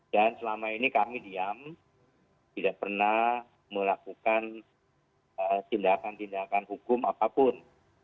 dan selama ini kami diam tidak pernah melakukan tindakan tindakan hukum apapun